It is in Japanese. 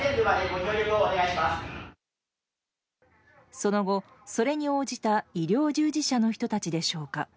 その後、それに応じた医療従事者の人たちでしょうか。